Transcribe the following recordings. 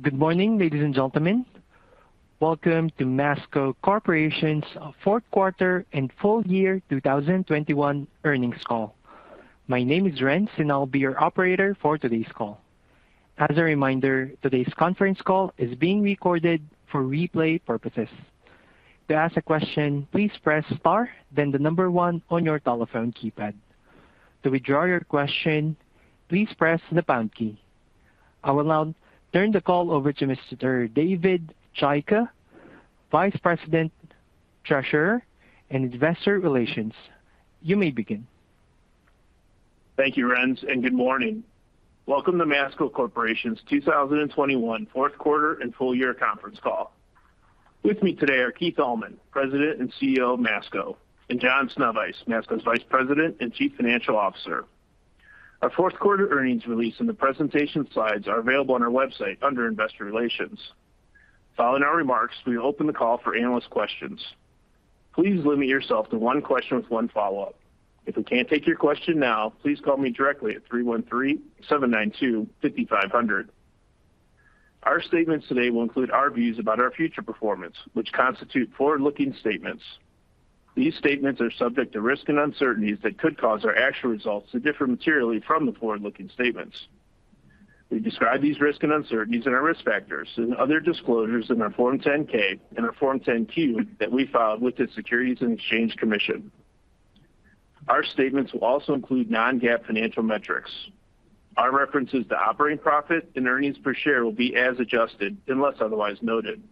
Good morning, ladies and gentlemen. Welcome to Masco Corporation's fourth quarter and full year 2021 earnings call. My name is Renz, and I'll be your operator for today's call. As a reminder, today's conference call is being recorded for replay purposes. To ask a question, please press star, then the number one on your telephone keypad. To withdraw your question, please press the pound key. I will now turn the call over to Mr. David Chaika, Vice President, Treasurer and Investor Relations. You may begin. Thank you, Renz, and good morning. Welcome to Masco Corporation's 2021 fourth quarter and full year conference call. With me today are Keith Allman, President and CEO of Masco, and John Sznewajs, Masco's Vice President and Chief Financial Officer. Our fourth quarter earnings release and the presentation slides are available on our website under Investor Relations. Following our remarks, we will open the call for analyst questions. Please limit yourself to one question with one follow-up. If we can't take your question now, please call me directly at 313-792-5500. Our statements today will include our views about our future performance, which constitute forward-looking statements. These statements are subject to risks and uncertainties that could cause our actual results to differ materially from the forward-looking statements. We describe these risks and uncertainties in our risk factors and other disclosures in our Form 10-K and our Form 10-Q that we filed with the Securities and Exchange Commission. Our statements will also include non-GAAP financial metrics. Our references to operating profit and earnings per share will be as adjusted, unless otherwise noted.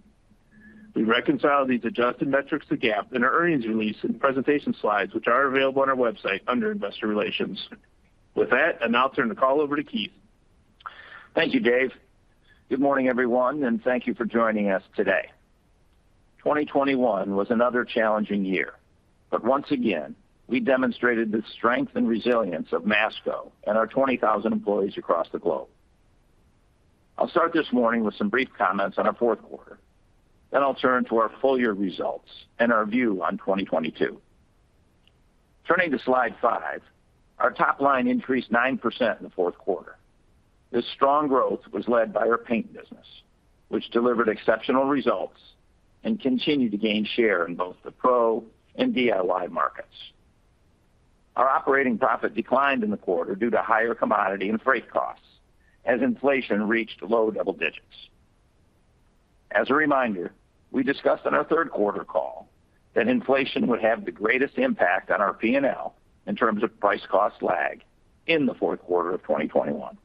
We reconcile these adjusted metrics to GAAP in our earnings release and presentation slides, which are available on our website under Investor Relations. With that, I'll now turn the call over to Keith. Thank you, Dave. Good morning, everyone, and thank you for joining us today. 2021 was another challenging year. Once again, we demonstrated the strength and resilience of Masco and our 20,000 employees across the globe. I'll start this morning with some brief comments on our fourth quarter. I'll turn to our full year results and our view on 2022. Turning to slide five, our top line increased 9% in the fourth quarter. This strong growth was led by our paint business, which delivered exceptional results and continued to gain share in both the Pro and DIY markets. Our operating profit declined in the quarter due to higher commodity and freight costs as inflation reached low double digits. As a reminder, we discussed on our third quarter call that inflation would have the greatest impact on our P&L in terms of price cost lag in the fourth quarter of 2021.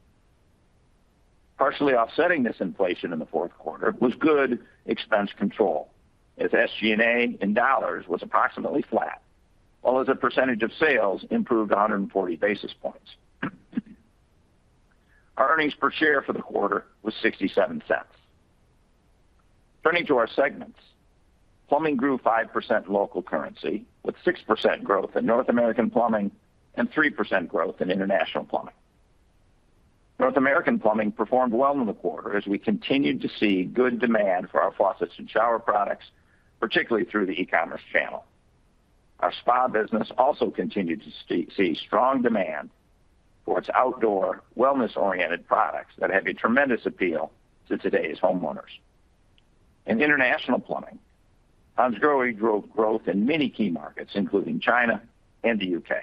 Partially offsetting this inflation in the fourth quarter was good expense control, as SG&A in dollars was approximately flat, while as a percentage of sales improved 140 basis points. Our earnings per share for the quarter was $0.67. Turning to our segments. Plumbing grew 5% in local currency, with 6% growth in North American Plumbing and 3% growth in International Plumbing. North American Plumbing performed well in the quarter as we continued to see good demand for our faucets and shower products, particularly through the e-commerce channel. Our spa business also continued to see strong demand for its outdoor wellness-oriented products that have a tremendous appeal to today's homeowners. In International Plumbing, Hansgrohe drove growth in many key markets, including China and the U.K.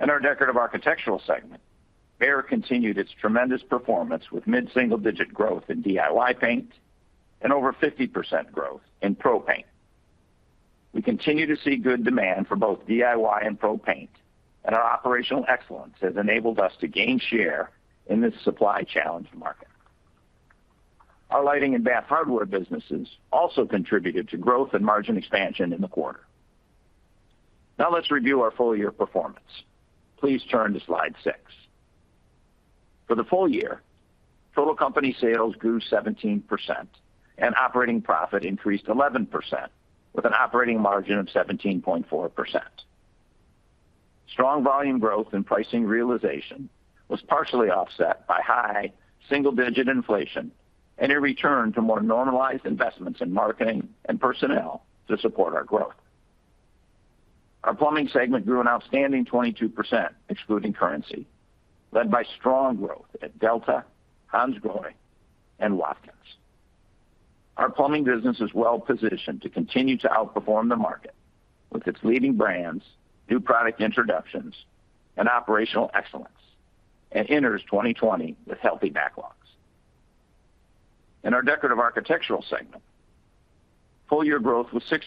In our Decorative Architectural segment, Behr continued its tremendous performance with mid-single-digit growth in DIY paint and over 50% growth in Pro paint. We continue to see good demand for both DIY and Pro paint, and our operational excellence has enabled us to gain share in this supply-challenged market. Our lighting and bath hardware businesses also contributed to growth and margin expansion in the quarter. Now let's review our full-year performance. Please turn to slide six. For the full year, total company sales grew 17% and operating profit increased 11% with an operating margin of 17.4%. Strong volume growth and pricing realization was partially offset by high single-digit inflation and a return to more normalized investments in marketing and personnel to support our growth. Our Plumbing segment grew an outstanding 22% excluding currency, led by strong growth at Delta, Hansgrohe, and Watkins. Our Plumbing business is well-positioned to continue to outperform the market with its leading brands, new product introductions and operational excellence, and enters 2020 with healthy backlogs. In our Decorative Architectural Products segment, full year growth was 6%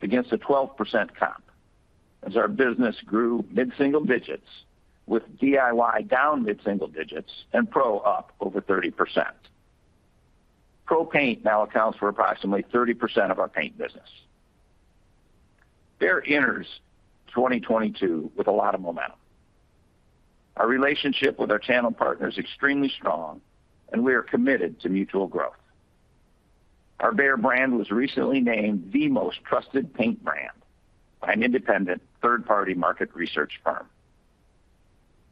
against a 12% comp as our business grew mid-single digits with DIY down mid-single digits and Pro up over 30%. Pro paint now accounts for approximately 30% of our paint business. Behr enters 2022 with a lot of momentum. Our relationship with our channel partner is extremely strong, and we are committed to mutual growth. Our Behr brand was recently named the most trusted paint brand by an independent third-party market research firm.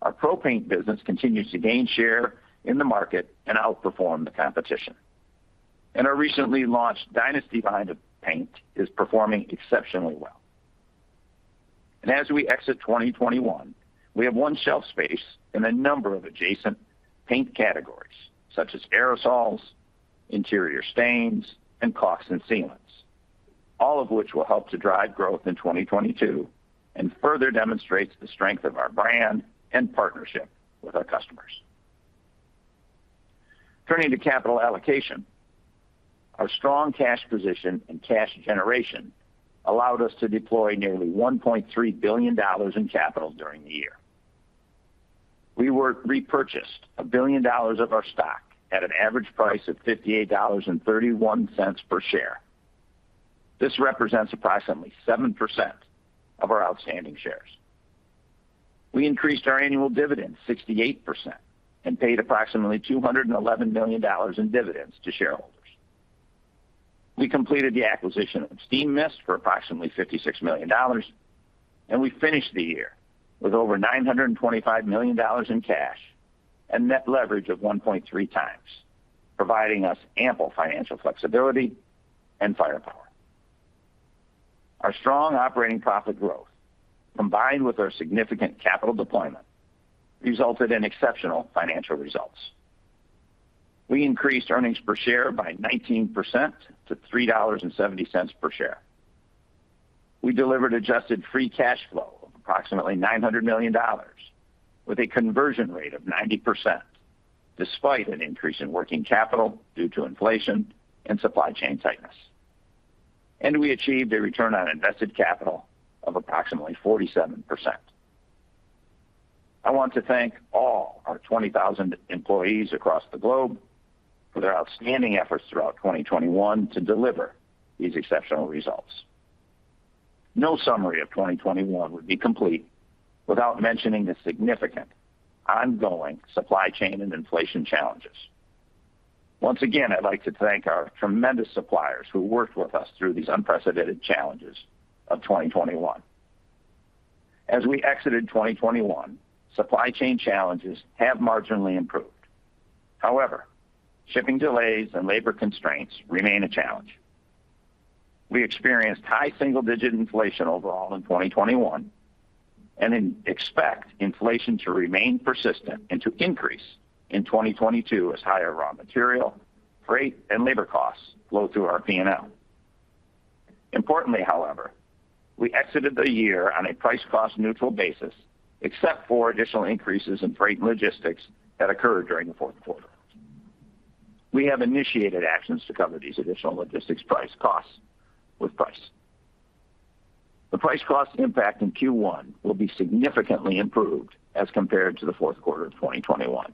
Our Pro paint business continues to gain share in the market and outperform the competition. Our recently launched Dynasty line of paint is performing exceptionally well. As we exit 2021, we have won shelf space in a number of adjacent paint categories, such as aerosols, interior stains, and caulks and sealants, all of which will help to drive growth in 2022 and further demonstrates the strength of our brand and partnership with our customers. Turning to capital allocation. Our strong cash position and cash generation allowed us to deploy nearly $1.3 billion in capital during the year. We repurchased $1 billion of our stock at an average price of $58.31 per share. This represents approximately 7% of our outstanding shares. We increased our annual dividend 68% and paid approximately $211 million in dividends to shareholders. We completed the acquisition of Steamist for approximately $56 million, and we finished the year with over $925 million in cash and net leverage of 1.3x, providing us ample financial flexibility and firepower. Our strong operating profit growth, combined with our significant capital deployment, resulted in exceptional financial results. We increased earnings per share by 19% to $3.70 per share. We delivered adjusted free cash flow of approximately $900 million with a conversion rate of 90% despite an increase in working capital due to inflation and supply chain tightness. We achieved a return on invested capital of approximately 47%. I want to thank all our 20,000 employees across the globe for their outstanding efforts throughout 2021 to deliver these exceptional results. No summary of 2021 would be complete without mentioning the significant ongoing supply chain and inflation challenges. Once again, I'd like to thank our tremendous suppliers who worked with us through these unprecedented challenges of 2021. As we exited 2021, supply chain challenges have marginally improved. However, shipping delays and labor constraints remain a challenge. We experienced high single-digit inflation overall in 2021 and expect inflation to remain persistent and to increase in 2022 as higher raw material, freight, and labor costs flow through our P&L. Importantly, however, we exited the year on a price-cost neutral basis, except for additional increases in freight and logistics that occurred during the fourth quarter. We have initiated actions to cover these additional logistics price costs with price. The price cost impact in Q1 will be significantly improved as compared to the fourth quarter of 2021.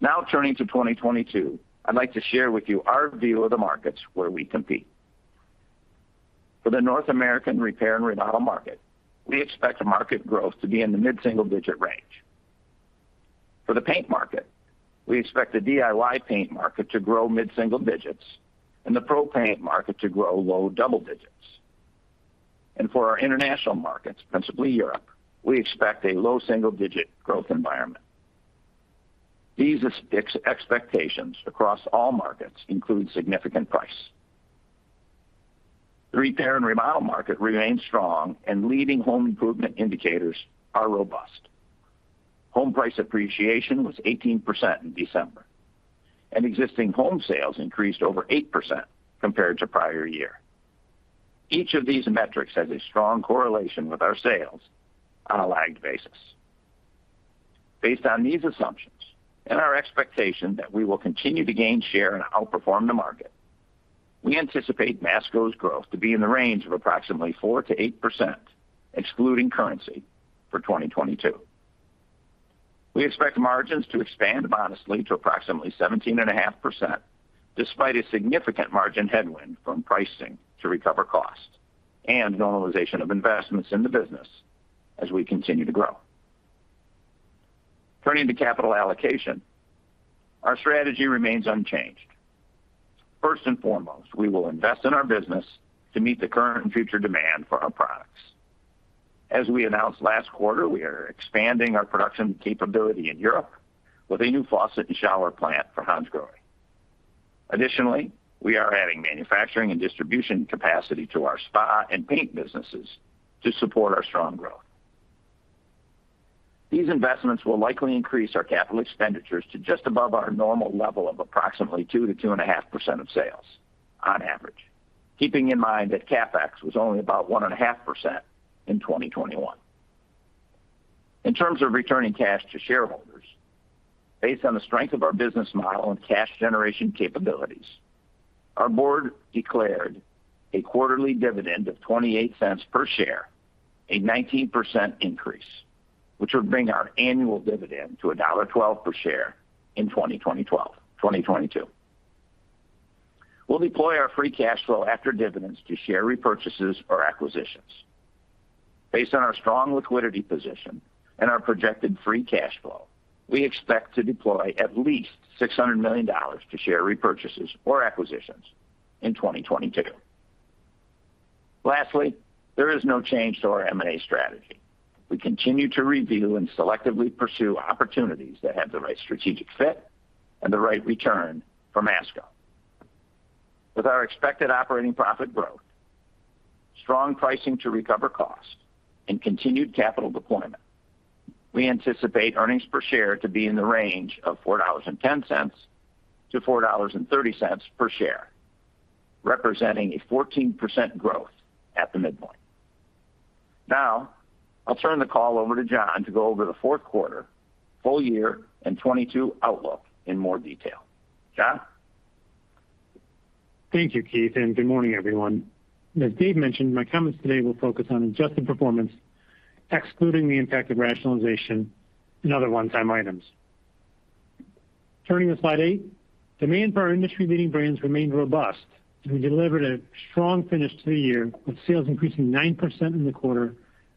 Now turning to 2022, I'd like to share with you our view of the markets where we compete. For the North American repair and remodel market, we expect market growth to be in the mid-single-digit range. For the paint market, we expect the DIY paint market to grow mid-single digits and the Pro paint market to grow low double digits. For our international markets, principally Europe, we expect a low single-digit growth environment. These expectations across all markets include significant price. The repair and remodel market remains strong and leading home improvement indicators are robust. Home price appreciation was 18% in December, and existing home sales increased over 8% compared to prior year. Each of these metrics has a strong correlation with our sales on a lagged basis. Based on these assumptions and our expectation that we will continue to gain share and outperform the market, we anticipate Masco's growth to be in the range of approximately 4%-8%, excluding currency for 2022. We expect margins to expand modestly to approximately 17.5%, despite a significant margin headwind from pricing to recover cost and normalization of investments in the business as we continue to grow. Turning to capital allocation, our strategy remains unchanged. First and foremost, we will invest in our business to meet the current and future demand for our products. As we announced last quarter, we are expanding our production capability in Europe with a new faucet and shower plant for Hansgrohe. Additionally, we are adding manufacturing and distribution capacity to our spa and paint businesses to support our strong growth. These investments will likely increase our capital expenditures to just above our normal level of approximately 2%-2.5% of sales on average, keeping in mind that CapEx was only about 1.5% in 2021. In terms of returning cash to shareholders, based on the strength of our business model and cash generation capabilities, our board declared a quarterly dividend of $0.28 per share, a 19% increase, which would bring our annual dividend to $1.12 per share in 2022. We'll deploy our free cash flow after dividends to share repurchases or acquisitions. Based on our strong liquidity position and our projected free cash flow, we expect to deploy at least $600 million to share repurchases or acquisitions in 2022. Lastly, there is no change to our M&A strategy. We continue to review and selectively pursue opportunities that have the right strategic fit and the right return for Masco. With our expected operating profit growth, strong pricing to recover costs, and continued capital deployment, we anticipate earnings per share to be in the range of $4.10-$4.30 per share, representing 14% growth at the midpoint. Now, I'll turn the call over to John to go over the fourth quarter, full year, and 2022 outlook in more detail. John? Thank you, Keith, and good morning, everyone. As Dave mentioned, my comments today will focus on adjusted performance, excluding the impact of rationalization and other one-time items. Turning to slide eight. Demand for our industry-leading brands remained robust, and we delivered a strong finish to the year, with sales increasing 9% in the quarter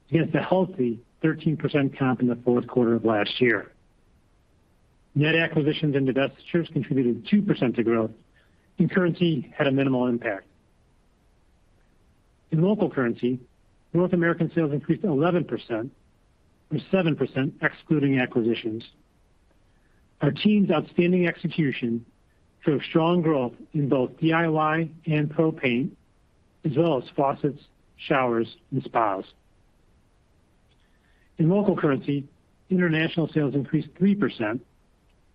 against a healthy 13% comp in the fourth quarter of last year. Net acquisitions and divestitures contributed 2% to growth, and currency had a minimal impact. In local currency, North American sales increased 11%, or 7% excluding acquisitions. Our team's outstanding execution drove strong growth in both DIY and Pro paint, as well as faucets, showers, and spas. In local currency, international sales increased 3%,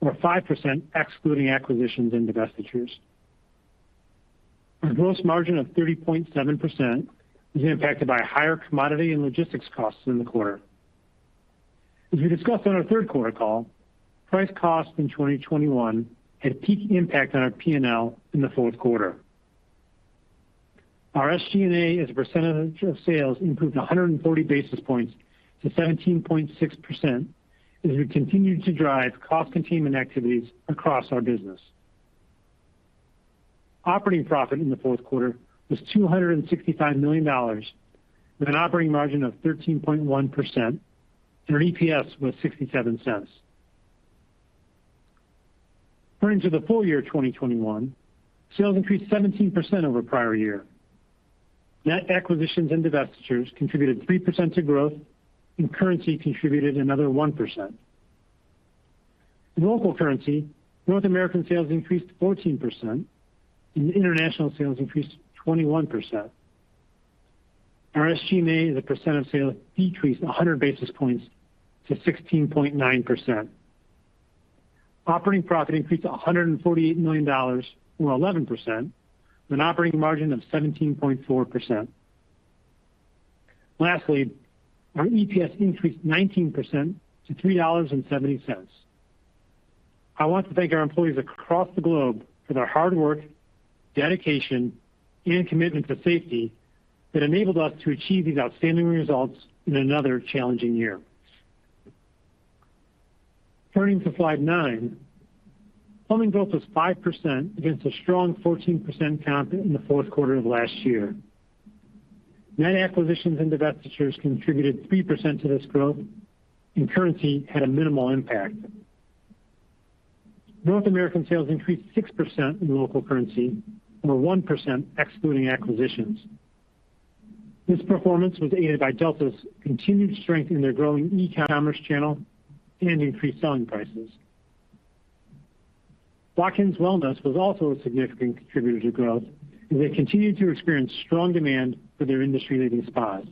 or 5% excluding acquisitions and divestitures. Our gross margin of 30.7% was impacted by higher commodity and logistics costs in the quarter. As we discussed on our third quarter call, price cost in 2021 had peak impact on our P&L in the fourth quarter. Our SG&A as a percentage of sales improved 140 basis points to 17.6% as we continued to drive cost containment activities across our business. Operating profit in the fourth quarter was $265 million with an operating margin of 13.1% and our EPS was $0.67. Turning to the full year 2021, sales increased 17% over prior year. Net acquisitions and divestitures contributed 3% to growth, and currency contributed another 1% to growth. In local currency, North American sales increased 14%, and international sales increased 21%. Our SG&A as a percent of sales decreased 100 basis points to 16.9%. Operating profit increased $148 million or 11% with an operating margin of 17.4%. Lastly, our EPS increased 19% to $3.70. I want to thank our employees across the globe for their hard work, dedication, and commitment to safety that enabled us to achieve these outstanding results in another challenging year. Turning to slide nine. Plumbing growth was 5% against a strong 14% comp in the fourth quarter of last year. Net acquisitions and divestitures contributed 3% to this growth, and currency had a minimal impact. North American sales increased 6% in local currency, or 1% excluding acquisitions. This performance was aided by Delta's continued strength in their growing e-commerce channel and increased selling prices. Watkins Wellness was also a significant contributor to growth as they continued to experience strong demand for their industry-leading spas.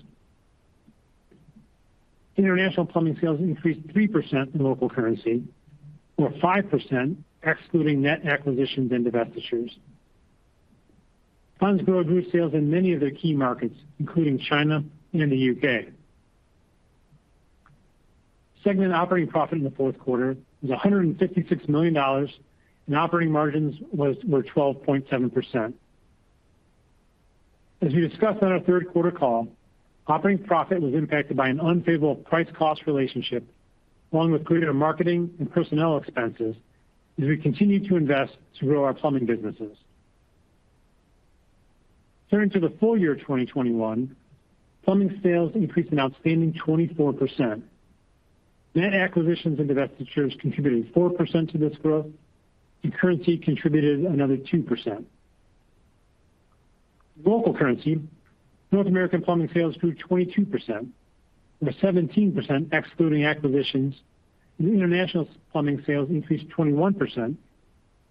International Plumbing sales increased 3% in local currency or 5% excluding net acquisitions and divestitures. Hansgrohe grew sales in many of their key markets, including China and the U.K. Segment operating profit in the fourth quarter was $156 million, and operating margins were 12.7%. As we discussed on our third quarter call, operating profit was impacted by an unfavorable price cost relationship along with creative marketing and personnel expenses as we continue to invest to grow our Plumbing businesses. Turning to the full year 2021, Plumbing sales increased an outstanding 24%. Net acquisitions and divestitures contributed 4% to this growth, and currency contributed another 2%. In local currency, North American Plumbing sales grew 22%, or 17% excluding acquisitions, and International Plumbing sales increased 21%,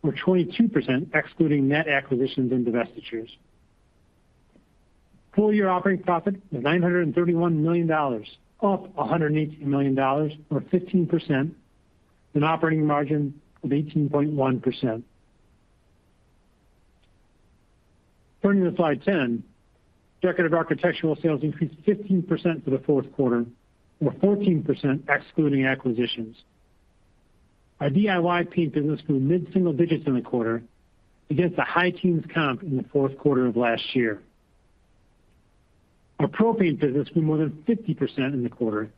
or 22% excluding net acquisitions and divestitures. Full year operating profit was $931 million, up $118 million or 15%, an operating margin of 18.1%. Turning to slide 10. Decorative Architectural sales increased 15% for the fourth quarter, or 14% excluding acquisitions. Our DIY paint business grew mid-single digits in the quarter against a high teens comp in the fourth quarter of last year. Our Pro paint business grew more than 50% in the quarter,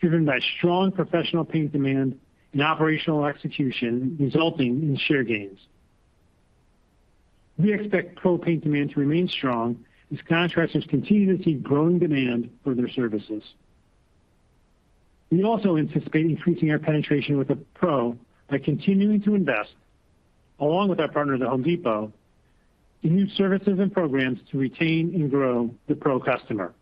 driven by strong professional paint demand and operational execution resulting in share gains. We expect Pro paint demand to remain strong as contractors continue to see growing demand for their services. We also anticipate increasing our penetration with the Pro by continuing to invest along with our partner at The Home Depot in new services and programs to retain and grow the Pro customer.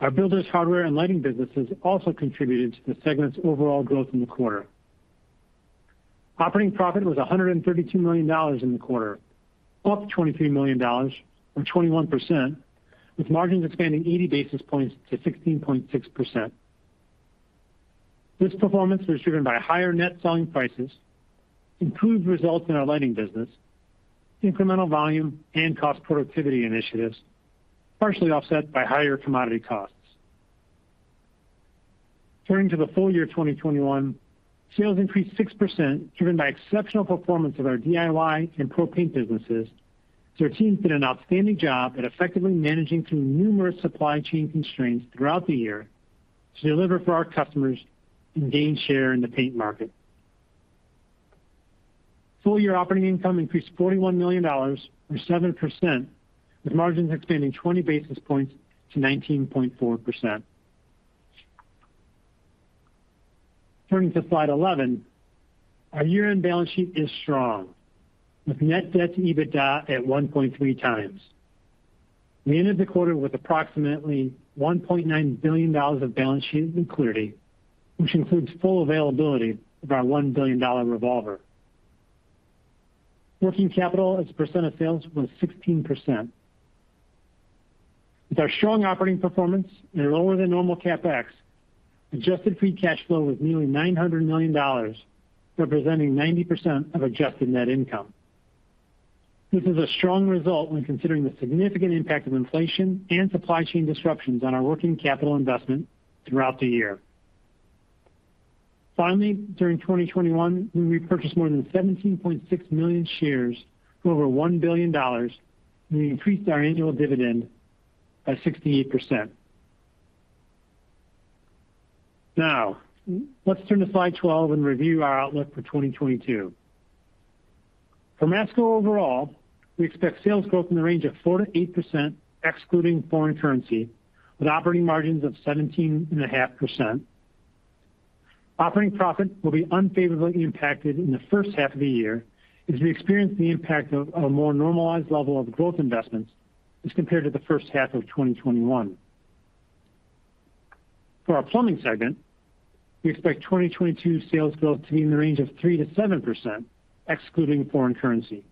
Our builders hardware and lighting businesses also contributed to the segment's overall growth in the quarter. Operating profit was $132 million in the quarter, up $23 million or 21% with margins expanding 80 basis points to 16.6%. This performance was driven by higher net selling prices, improved results in our lighting business, incremental volume and cost productivity initiatives, partially offset by higher commodity costs. Turning to the full year 2021, sales increased 6% driven by exceptional performance of our DIY and Pro paint businesses as our team did an outstanding job at effectively managing through numerous supply chain constraints throughout the year to deliver for our customers and gain share in the paint market. Full year operating income increased $41 million or 7%, with margins expanding 20 basis points to 19.4%. Turning to slide 11, our year-end balance sheet is strong, with net debt to EBITDA at 1.3x. We ended the quarter with approximately $1.9 billion of balance sheet liquidity, which includes full availability of our $1 billion revolver. Working capital as a percent of sales was 16%. With our strong operating performance and a lower than normal CapEx, adjusted free cash flow was nearly $900 million, representing 90% of adjusted net income. This is a strong result when considering the significant impact of inflation and supply chain disruptions on our working capital investment throughout the year. Finally, during 2021, we repurchased more than 17.6 million shares for over $1 billion, and we increased our annual dividend by 68%. Now, let's turn to slide 12 and review our outlook for 2022. For Masco overall, we expect sales growth in the range of 4%-8% excluding foreign currency, with operating margins of 17.5%. Operating profit will be unfavorably impacted in the first half of the year as we experience the impact of a more normalized level of growth investments as compared to the first half of 2021. For our Plumbing segment, we expect 2022 sales growth to be in the range of 3%-7% excluding foreign currency.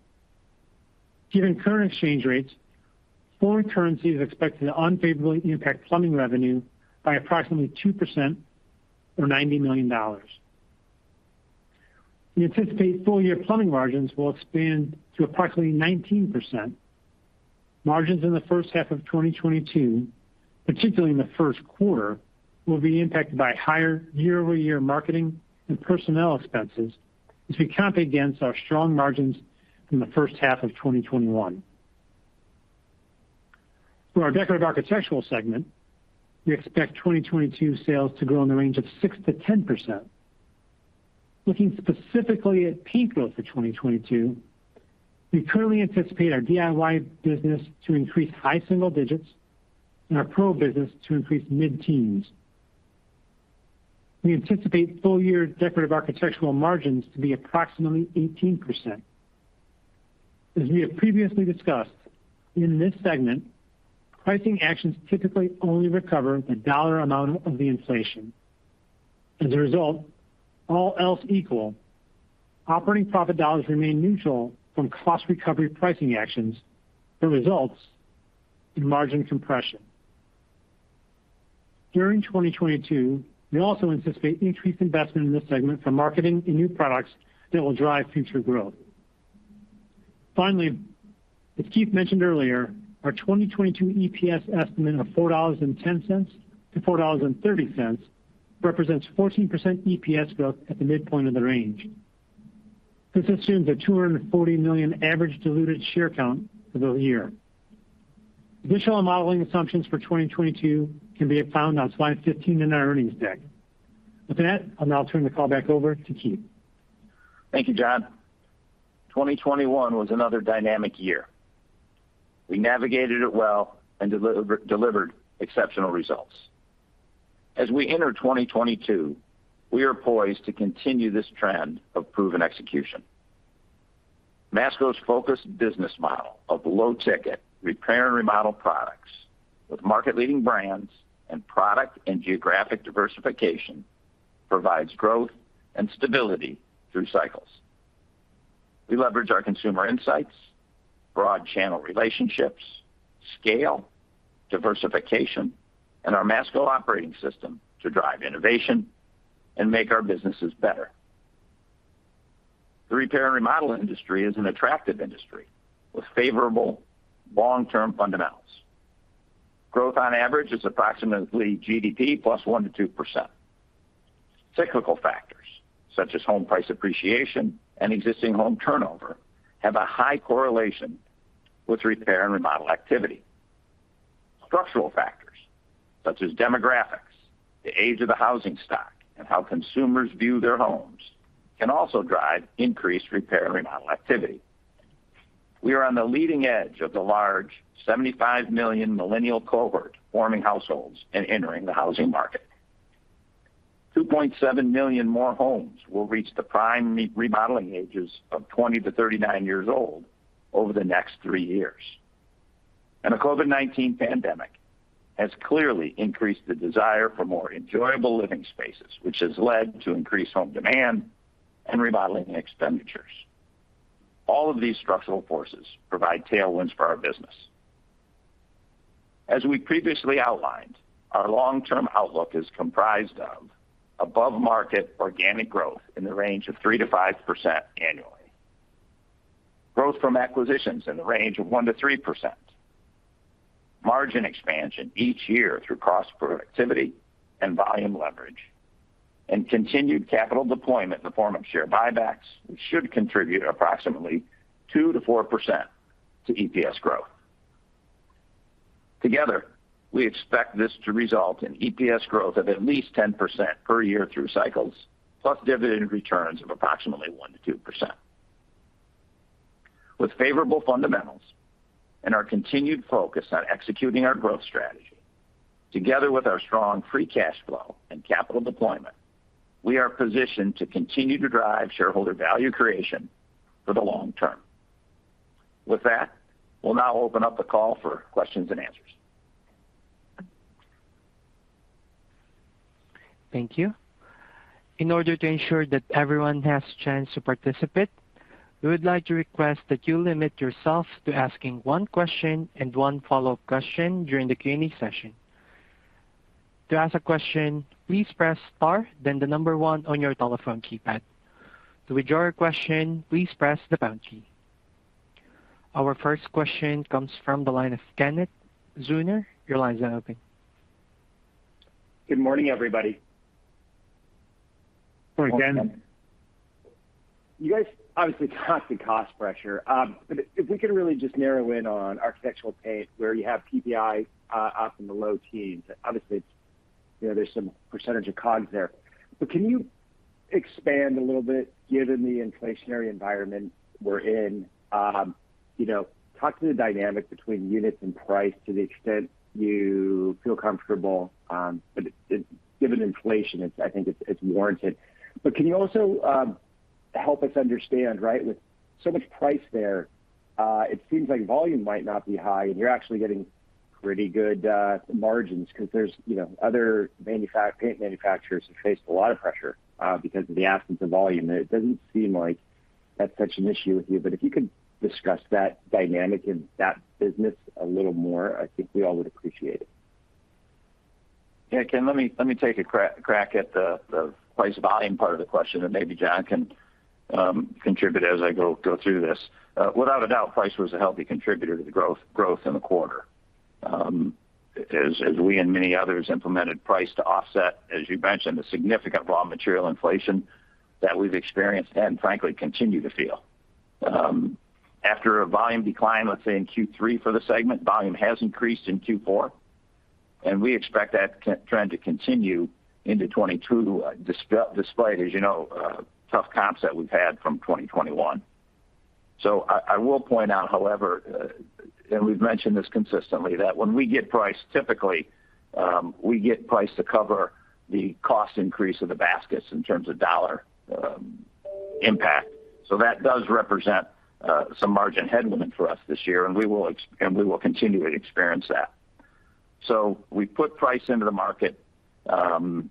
Given current exchange rates, foreign currency is expected to unfavorably impact Plumbing revenue by approximately 2% or $90 million. We anticipate full year Plumbing margins will expand to approximately 19%. Margins in the first half of 2022, particularly in the first quarter, will be impacted by higher year-over-year marketing and personnel expenses as we comp against our strong margins in the first half of 2021. For our Decorative Architectural segment, we expect 2022 sales to grow in the range of 6%-10%. Looking specifically at paint growth for 2022, we currently anticipate our DIY business to increase high single digits and our Pro business to increase mid-teens. We anticipate full-year Decorative Architectural margins to be approximately 18%. As we have previously discussed, in this segment, pricing actions typically only recover the dollar amount of the inflation. As a result, all else equal, operating profit dollars remain neutral from cost recovery pricing actions that results in margin compression. During 2022, we also anticipate increased investment in this segment for marketing and new products that will drive future growth. Finally, as Keith mentioned earlier, our 2022 EPS estimate of $4.10-$4.30 represents 14% EPS growth at the midpoint of the range. This assumes a 240 million average diluted share count for the year. Additional modeling assumptions for 2022 can be found on slide 15 in our earnings deck. With that, I'll now turn the call back over to Keith. Thank you, John. 2021 was another dynamic year. We navigated it well and delivered exceptional results. As we enter 2022, we are poised to continue this trend of proven execution. Masco's focused business model of low ticket repair and remodel products with market leading brands and product and geographic diversification provides growth and stability through cycles. We leverage our consumer insights, broad channel relationships, scale, diversification, and our Masco Operating System to drive innovation and make our businesses better. The repair and remodel industry is an attractive industry with favorable long-term fundamentals. Growth on average is approximately GDP + 1%-2%. Cyclical factors such as home price appreciation and existing home turnover have a high correlation with repair and remodel activity. Structural factors such as demographics, the age of the housing stock, and how consumers view their homes can also drive increased repair and remodel activity. We are on the leading edge of the large 75 million millennial cohort forming households and entering the housing market. 2.7 million more homes will reach the prime remodeling ages of 20-39 years old over the next three years. The COVID-19 pandemic has clearly increased the desire for more enjoyable living spaces, which has led to increased home demand and remodeling expenditures. All of these structural forces provide tailwinds for our business. As we previously outlined, our long-term outlook is comprised of above-market organic growth in the range of 3%-5% annually, growth from acquisitions in the range of 1%-3%, margin expansion each year through cost productivity and volume leverage, and continued capital deployment in the form of share buybacks should contribute approximately 2%-4% to EPS growth. Together, we expect this to result in EPS growth of at least 10% per year through cycles, plus dividend returns of approximately 1%-2%. With favorable fundamentals and our continued focus on executing our growth strategy, together with our strong free cash flow and capital deployment, we are positioned to continue to drive shareholder value creation for the long term. With that, we'll now open up the call for questions and answers. Thank you. In order to ensure that everyone has a chance to participate, we would like to request that you limit yourself to asking one question and one follow-up question during the Q&A session. To ask a question, please press star then the number one on your telephone keypad. To withdraw your question, please press the pound key. Our first question comes from the line of Kenneth Zener. Your line is now open. Good morning, everybody. Morning, Ken. You guys obviously got the cost pressure. If we could really just narrow in on architectural paint where you have PPI up in the low teens, obviously, you know, there's some percentage of COGS there. Can you expand a little bit given the inflationary environment we're in, you know, talk to the dynamic between units and price to the extent you feel comfortable, given inflation, it's warranted, I think. Can you also help us understand, right, with so much price there, it seems like volume might not be high, and you're actually getting pretty good margins because, you know, other paint manufacturers have faced a lot of pressure because of the absence of volume. It doesn't seem like that's such an issue with you. If you could discuss that dynamic in that business a little more, I think we all would appreciate it. Yeah, Ken, let me take a crack at the price volume part of the question, and maybe John can contribute as I go through this. Without a doubt, price was a healthy contributor to the growth in the quarter, as we and many others implemented price to offset, as you mentioned, the significant raw material inflation that we've experienced and frankly continue to feel. After a volume decline, let's say in Q3 for the segment, volume has increased in Q4, and we expect that trend to continue into 2022, despite, as you know, tough comps that we've had from 2021. I will point out, however, and we've mentioned this consistently, that when we get price, typically, we get price to cover the cost increase of the baskets in terms of dollar impact. That does represent some margin headwind for us this year, and we will continue to experience that. We put price into the market and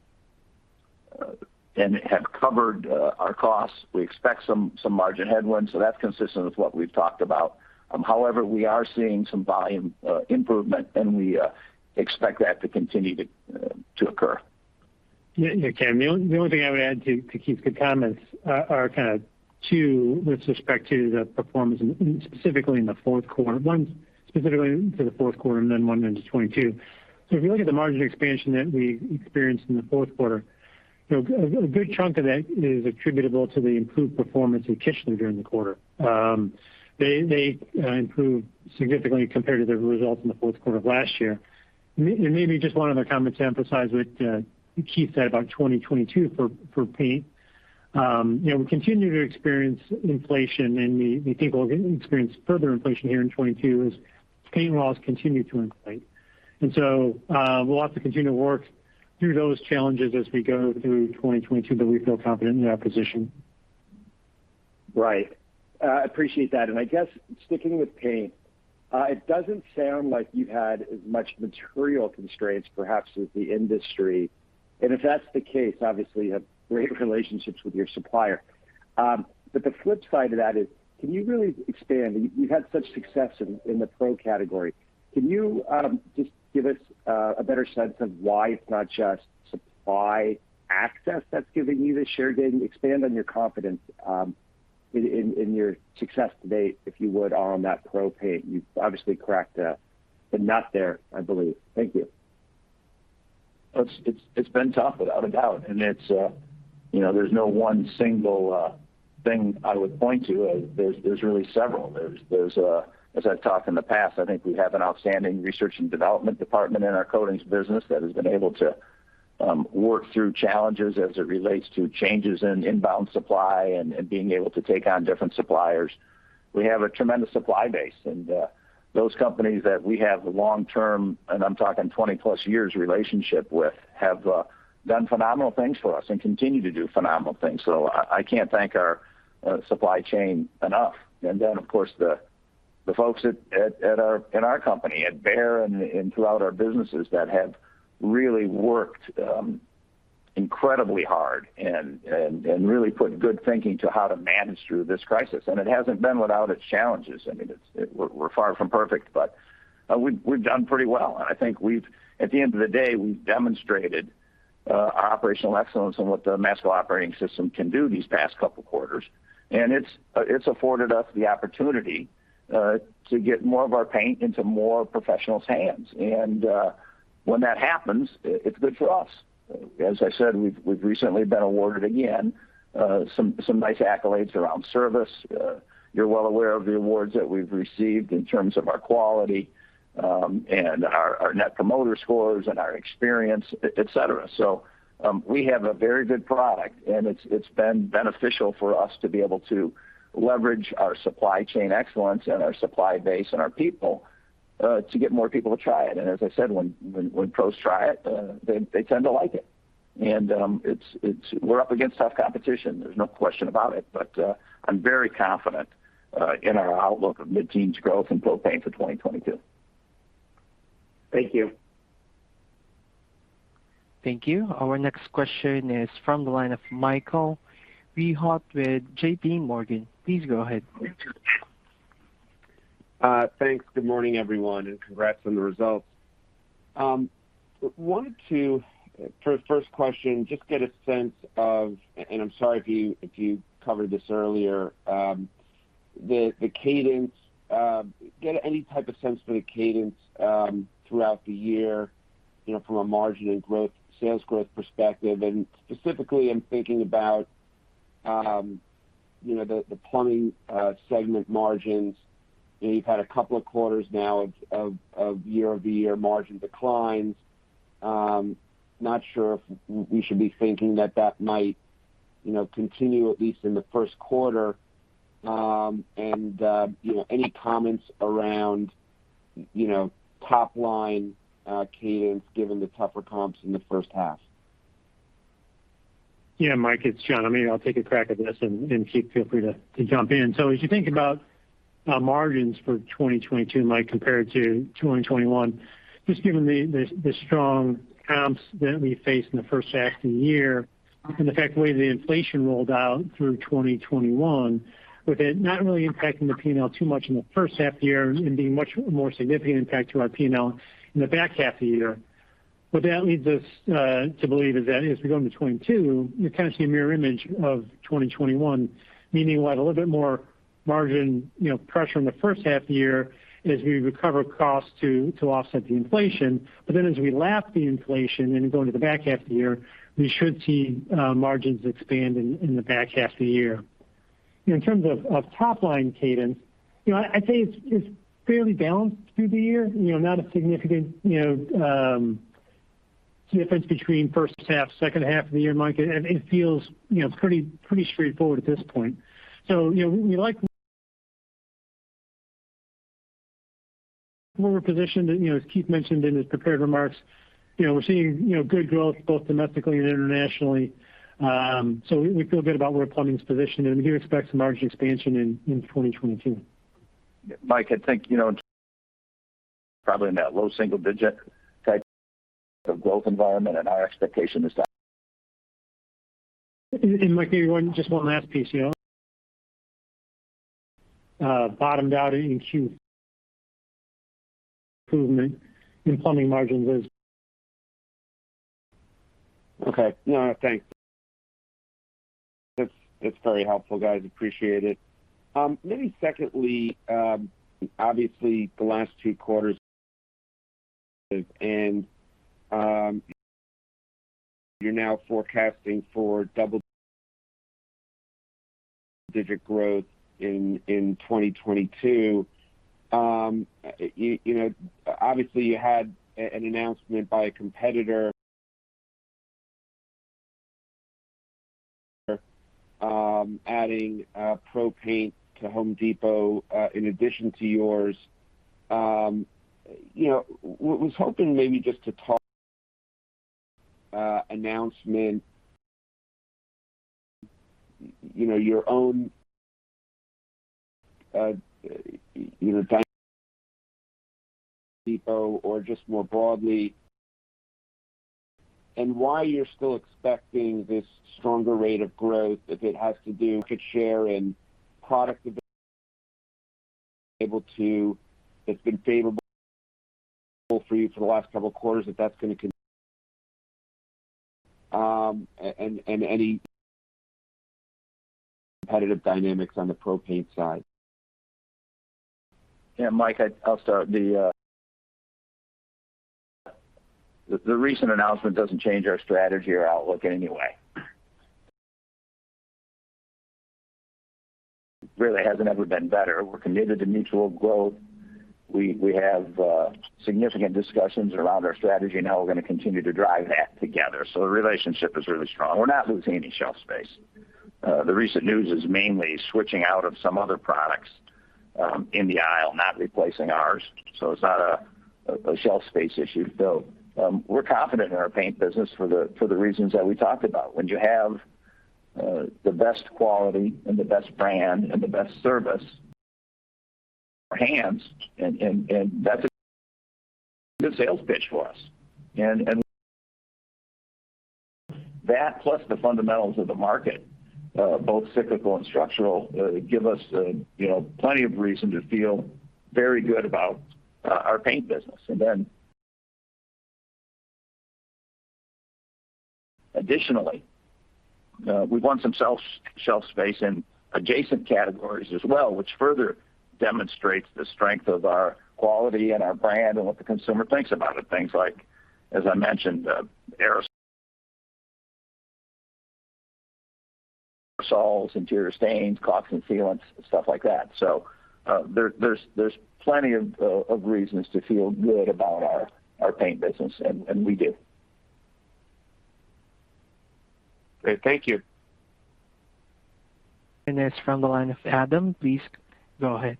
have covered our costs. We expect some margin headwinds, so that's consistent with what we've talked about. However, we are seeing some volume improvement, and we expect that to continue to occur. Yeah, yeah, Ken. The only thing I would add to Keith's good comments are kind of two with respect to the performance specifically in the fourth quarter. One specifically to the fourth quarter and then one into 2022. So if you look at the margin expansion that we experienced in the fourth quarter, you know, a good chunk of that is attributable to the improved performance of Kichler during the quarter. They improved significantly compared to their results in the fourth quarter of last year. Maybe just one other comment to emphasize what Keith said about 2022 for paint. You know, we continue to experience inflation, and we think we're gonna experience further inflation here in 2022 as paint raws continue to inflate. We'll have to continue to work through those challenges as we go through 2022, but we feel confident in our position. Right. Appreciate that. I guess sticking with paint, it doesn't sound like you had as much material constraints perhaps as the industry. If that's the case, obviously you have great relationships with your supplier. The flip side to that is, can you really expand? You had such success in the Pro category. Can you just give us a better sense of why it's not just supply access that's giving you the share gain? Expand on your confidence in your success to date, if you would, on that Pro paint. You've obviously cracked the nut there, I believe. Thank you. It's been tough without a doubt. It's, you know, there's no one single thing I would point to. There's, as I've talked in the past, I think we have an outstanding research and development department in our coatings business that has been able to work through challenges as it relates to changes in inbound supply and being able to take on different suppliers. We have a tremendous supply base, and those companies that we have long-term, and I'm talking 20+ years relationship with, have done phenomenal things for us and continue to do phenomenal things. I can't thank our supply chain enough. Of course, the folks in our company, at Behr and throughout our businesses that have really worked incredibly hard and really put good thinking to how to manage through this crisis. It hasn't been without its challenges. I mean, we're far from perfect, but we've done pretty well. I think at the end of the day, we've demonstrated operational excellence and what the Masco Operating System can do these past couple quarters. It's afforded us the opportunity to get more of our paint into more professionals' hands. When that happens, it's good for us. As I said, we've recently been awarded again some nice accolades around service. You're well aware of the awards that we've received in terms of our quality, and our Net Promoter Score and our experience, et cetera. We have a very good product, and it's been beneficial for us to be able to leverage our supply chain excellence and our supply base and our people to get more people to try it. As I said, when pros try it, they tend to like it. We're up against tough competition, there's no question about it. I'm very confident in our outlook of mid-teens growth in Pro paint for 2022. Thank you. Thank you. Our next question is from the line of Michael Rehaut with JPMorgan. Please go ahead. Thanks. Good morning, everyone, and congrats on the results. Wanted to, for the first question, just get a sense of, and I'm sorry if you covered this earlier, the cadence, get any type of sense for the cadence throughout the year, you know, from a margin and growth, sales growth perspective. Specifically, I'm thinking about, you know, the Plumbing segment margins. You know, you've had a couple of quarters now of year-over-year margin declines. Not sure if we should be thinking that might, you know, continue at least in the first quarter. You know, any comments around, you know, top line cadence given the tougher comps in the first half. Yeah, Mike, it's John. I mean, I'll take a crack at this and, Keith, feel free to jump in. As you think about margins for 2022, Mike, compared to 2021, just given the strong comps that we faced in the first half of the year and the fact that the way the inflation rolled out through 2021, with it not really impacting the P&L too much in the first half of the year and being much more significant impact to our P&L in the back half of the year. What that leads us to believe is that as we go into 2022, you kind of see a mirror image of 2021, meaning we'll add a little bit more margin pressure in the first half of the year as we recover costs to offset the inflation. As we lap the inflation and go into the back half of the year, we should see margins expand in the back half of the year. In terms of top line cadence, you know, I'd say it's fairly balanced through the year. You know, not a significant you know difference between first half, second half of the year, Mike. It feels you know pretty straightforward at this point. You know, we like where we're positioned. You know, as Keith mentioned in his prepared remarks, you know, we're seeing you know good growth both domestically and internationally. We feel good about where Plumbing's positioned, and we do expect some margin expansion in 2022. Mike, I think, you know, in probably that low single digit type of growth environment and our expectation is that. Mike, maybe one, just one last piece. You know, bottomed out in Q improvement in Plumbing margins is. Okay. No, thanks. That's very helpful, guys. Appreciate it. Maybe secondly, obviously the last two quarters And you're now forecasting for double-digit growth in 2022. You know, obviously you had an announcement by a competitor Adding Pro paint to Home Depot, in addition to yours. You know, was hoping maybe just to talk about the announcement, you know, your own deal with Home Depot or just more broadly, and why you're still expecting this stronger rate of growth, if it has to do with your share in the product that's been favorable for you for the last couple of quarters, if that's gonna continue, and any competitive dynamics on the Pro paint side. Yeah, Mike, I'll start. The recent announcement doesn't change our strategy or outlook in any way. The relationship really hasn't ever been better. We're committed to mutual growth. We have significant discussions around our strategy and how we're gonna continue to drive that together. The relationship is really strong. We're not losing any shelf space. The recent news is mainly switching out of some other products in the aisle, not replacing ours, so it's not a shelf space issue. We're confident in our paint business for the reasons that we talked about. When you have the best quality and the best brand and the best service, hands down, that's a good sales pitch for us. That plus the fundamentals of the market, both cyclical and structural, give us, you know, plenty of reason to feel very good about our paint business. Additionally, we've won some shelf space in adjacent categories as well, which further demonstrates the strength of our quality and our brand and what the consumer thinks about it, things like, as I mentioned, aerosols, interior stains, caulks and sealants, stuff like that. There's plenty of reasons to feel good about our paint business, and we do. Great. Thank you. That's from the line of Adam. Please go ahead.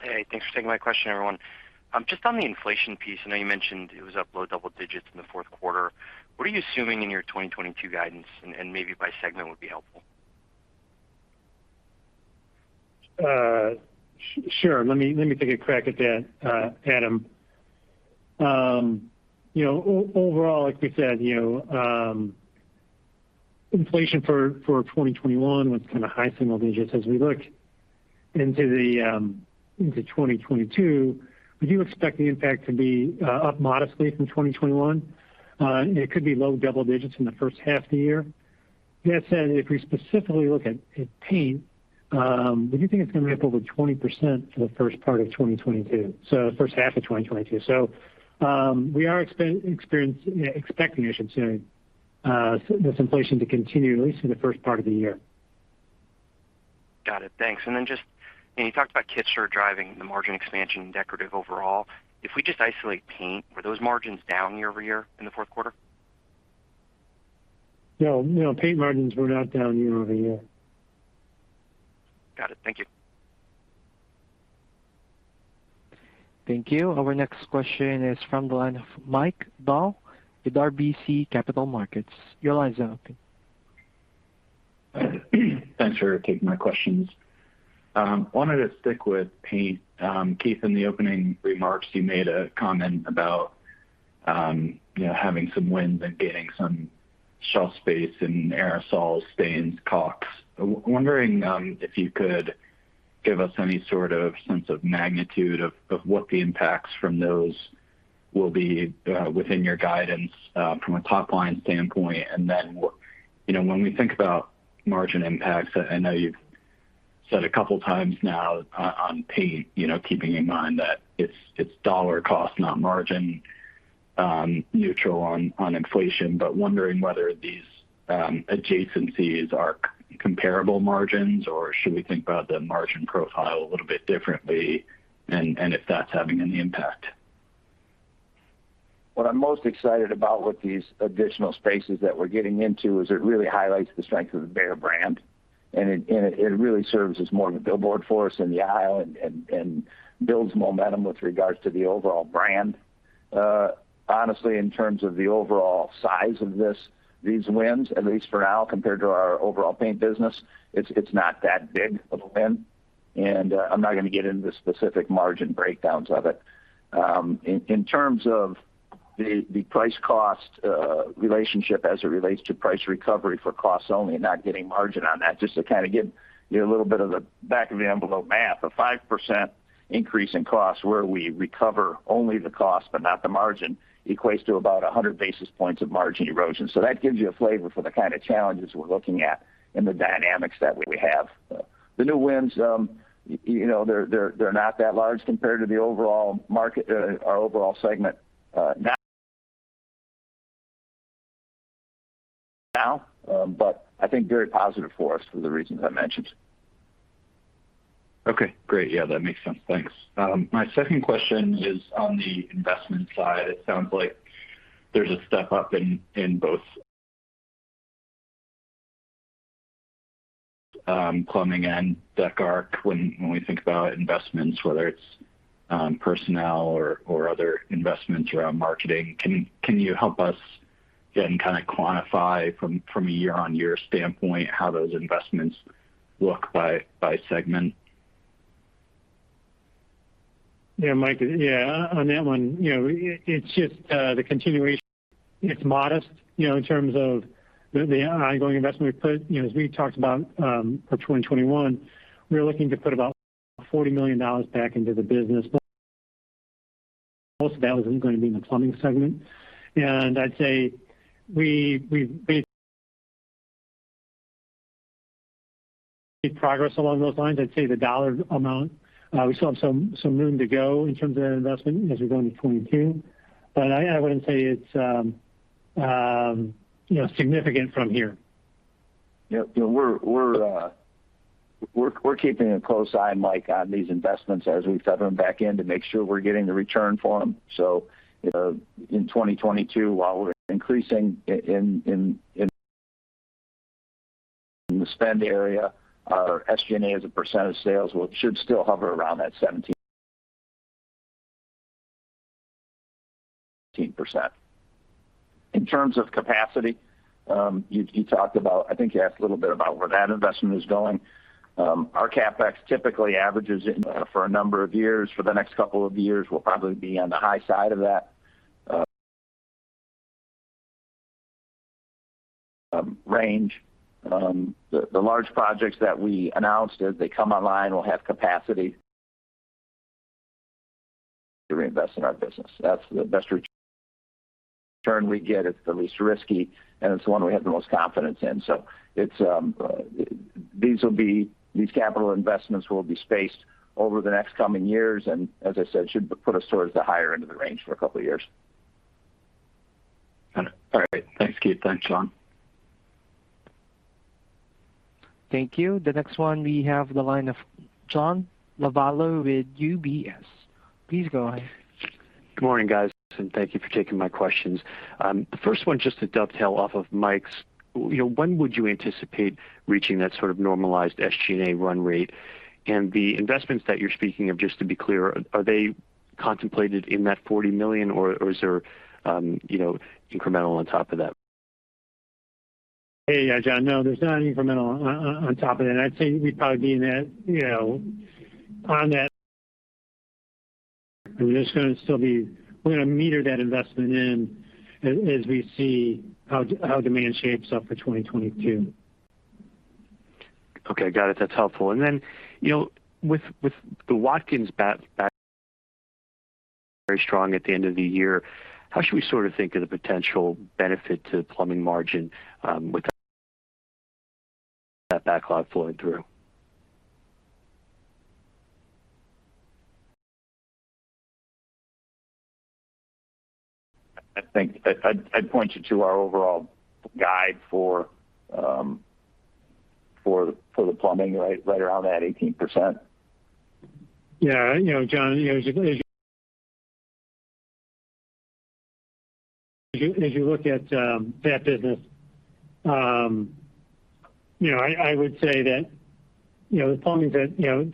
Hey, thanks for taking my question, everyone. Just on the inflation piece, I know you mentioned it was up low double digits in the fourth quarter. What are you assuming in your 2022 guidance, and maybe by segment would be helpful? Sure. Let me take a crack at that, Adam. You know, overall, like we said, you know, inflation for 2021 was kind of high single digits. As we look into 2022, we do expect the impact to be up modestly from 2021. It could be low double digits in the first half of the year. That said, if we specifically look at paint, we do think it's gonna be up over 20% for the first part of 2022, so first half of 2022. We are expecting, I should say, this inflation to continue at least in the first part of the year. Got it. Thanks. You talked about Kichler driving the margin expansion in decorative overall. If we just isolate paint, were those margins down year-over-year in the fourth quarter? No. Paint margins were not down year-over-year. Got it. Thank you. Thank you. Our next question is from the line of Mike Dahl with RBC Capital Markets. Your line's open. Thanks for taking my questions. I wanted to stick with paint. Keith, in the opening remarks, you made a comment about, you know, having some wins and gaining some shelf space in aerosols, stains, caulks. I'm wondering if you could give us any sort of sense of magnitude of what the impacts from those will be, within your guidance, from a top line standpoint. You know, when we think about margin impacts, I know you've said a couple times now on paint, you know, keeping in mind that it's dollar cost, not margin, neutral on inflation. I'm wondering whether these adjacencies are comparable margins, or should we think about the margin profile a little bit differently, and if that's having any impact. What I'm most excited about with these additional spaces that we're getting into is it really highlights the strength of the Behr brand. It really serves as more of a billboard for us in the aisle and builds momentum with regards to the overall brand. Honestly, in terms of the overall size of these wins, at least for now, compared to our overall paint business, it's not that big of a win, and I'm not gonna get into the specific margin breakdowns of it. In terms of the price cost relationship as it relates to price recovery for costs only and not getting margin on that, just to kind of give you a little bit of the back of the envelope math, a 5% increase in cost where we recover only the cost but not the margin equates to about 100 basis points of margin erosion. That gives you a flavor for the kind of challenges we're looking at and the dynamics that we have. The new wins, you know, they're not that large compared to the overall market, our overall segment now, but I think very positive for us for the reasons I mentioned. Okay, great. Yeah, that makes sense. Thanks. My second question is on the investment side. It sounds like there's a step-up in both Plumbing and Decor when we think about investments, whether it's personnel or other investments around marketing. Can you help us then kind of quantify from a year-on-year standpoint how those investments look by segment? Yeah, Mike. Yeah, on that one, you know, it's just the continuation. It's modest, you know, in terms of the ongoing investment we've put. You know, as we talked about, for 2021, we're looking to put about $40 million back into the business. Most of that was gonna be in the Plumbing segment. I'd say we've made progress along those lines. I'd say the dollar amount, we still have some room to go in terms of that investment as we go into 2022. But I wouldn't say it's, you know, significant from here. Yeah, you know, we're keeping a close eye, Mike, on these investments as we feather them back in to make sure we're getting the return for them. In 2022, while we're increasing in the spend area, our SG&A as a percent of sales should still hover around that 17%. In terms of capacity, you talked about, I think you asked a little bit about where that investment is going. Our CapEx typically averages in for a number of years. For the next couple of years, we'll probably be on the high side of that range. The large projects that we announced, as they come online, will have capacity to reinvest in our business. That's the best return we get. It's the least risky, and it's the one we have the most confidence in. These capital investments will be spaced over the next coming years, and as I said, should put us towards the higher end of the range for a couple of years. All right. Thanks, Keith. Thanks, John. Thank you. The next one we have on the line of John Lovallo with UBS. Please go ahead. Good morning, guys, and thank you for taking my questions. The first one, just to dovetail off of Mike's. You know, when would you anticipate reaching that sort of normalized SG&A run rate? The investments that you're speaking of, just to be clear, are they contemplated in that $40 million, or is there, you know, incremental on top of that? Hey, John. No, there's not incremental on top of that. I'd say we'd probably be in that, you know, on that. We're just gonna meter that investment in as we see how demand shapes up for 2022. Okay. Got it. That's helpful. You know, with the Watkins back very strong at the end of the year, how should we sort of think of the potential benefit to Plumbing margin with that backlog flowing through? I think I'd point you to our overall guide for the Plumbing, right around that 18%. Yeah. You know, John, as you look at that business, you know, I would say that, you know, the Plumbing's at, you know,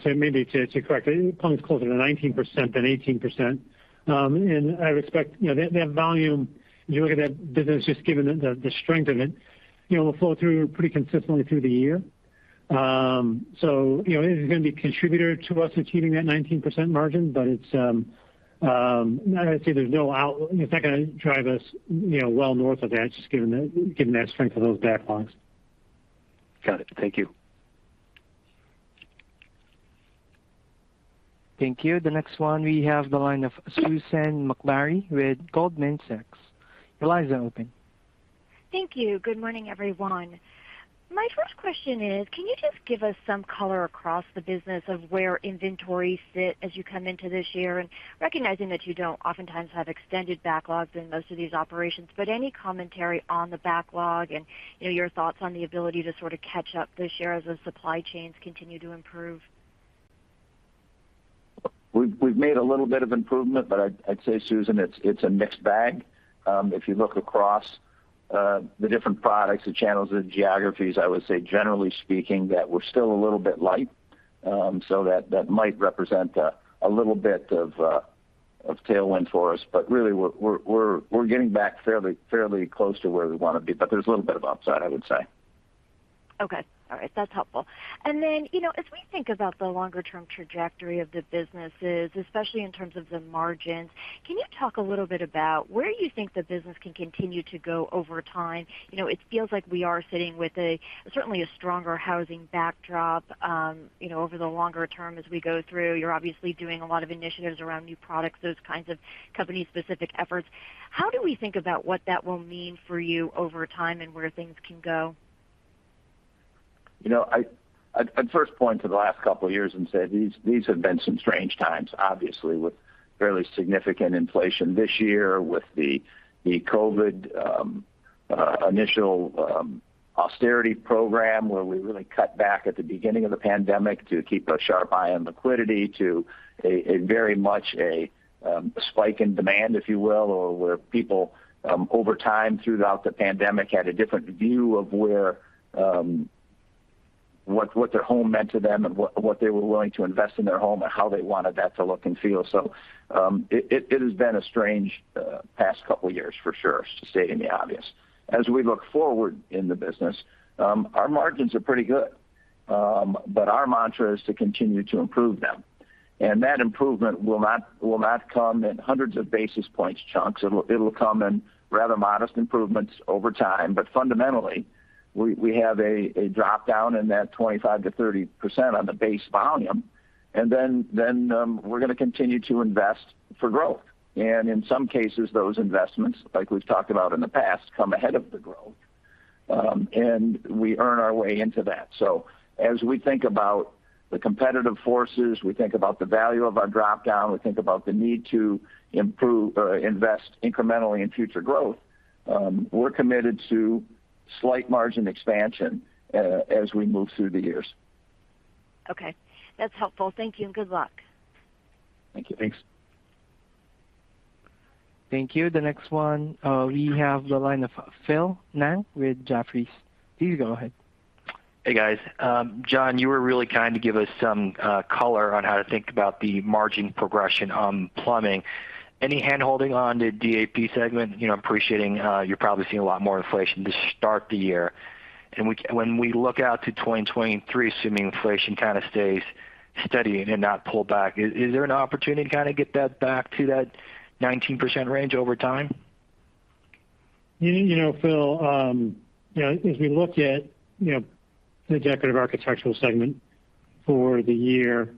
to correct it, Plumbing's closer to 19% than 18%. I would expect, you know, that volume, as you look at that business, just given the strength of it, you know, will flow through pretty consistently through the year. You know, it is gonna be a contributor to us achieving that 19% margin, but it's not gonna drive us, you know, well north of that just given that strength of those backlogs. Got it. Thank you. Thank you. The next one we have on the line of Susan Maklari with Goldman Sachs. Your line is now open. Thank you. Good morning, everyone. My first question is, can you just give us some color across the business of where inventory sit as you come into this year? Recognizing that you don't oftentimes have extended backlogs in most of these operations, but any commentary on the backlog and, you know, your thoughts on the ability to sort of catch up this year as the supply chains continue to improve. We've made a little bit of improvement, but I'd say, Susan, it's a mixed bag. If you look across the different products, the channels, the geographies, I would say, generally speaking, that we're still a little bit light. So that might represent a little bit of tailwind for us. But really we're getting back fairly close to where we wanna be, but there's a little bit of upside, I would say. Okay. All right. That's helpful. You know, as we think about the longer term trajectory of the businesses, especially in terms of the margins, can you talk a little bit about where you think the business can continue to go over time? You know, it feels like we are sitting with a certainly stronger housing backdrop, you know, over the longer term as we go through. You're obviously doing a lot of initiatives around new products, those kinds of company specific efforts. How do we think about what that will mean for you over time and where things can go? You know, I'd first point to the last couple of years and say these have been some strange times, obviously with fairly significant inflation this year with the COVID initial austerity program, where we really cut back at the beginning of the pandemic to keep a sharp eye on liquidity to a very much a spike in demand, if you will, or where people over time throughout the pandemic had a different view of what their home meant to them and what they were willing to invest in their home and how they wanted that to look and feel. It has been a strange past couple of years for sure, to state the obvious. As we look forward in the business, our margins are pretty good. Our mantra is to continue to improve them. That improvement will not come in hundreds of basis points chunks. It'll come in rather modest improvements over time. Fundamentally, we have a drop down in that 25%-30% on the base volume, and then we're gonna continue to invest for growth. In some cases, those investments, like we've talked about in the past, come ahead of the growth, and we earn our way into that. As we think about the competitive forces, we think about the value of our drop down, we think about the need to improve or invest incrementally in future growth. We're committed to slight margin expansion as we move through the years. Okay. That's helpful. Thank you, and good luck. Thank you. Thanks. Thank you. The next one, we have the line of Phil Ng with Jefferies. Please go ahead. Hey, guys. John, you were really kind to give us some color on how to think about the margin progression on Plumbing. Any hand-holding on the DAP segment? You know, appreciating you're probably seeing a lot more inflation to start the year. When we look out to 2023, assuming inflation kind of stays steady and not pull back, is there an opportunity to kind of get that back to that 19% range over time? You know, Phil, you know, as we look at, you know, the Decorative Architectural segment for the year,